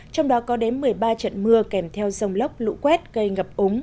trong đó có đến một mươi ba trận mưa kèm theo dòng lốc lũ quét gây ngập ống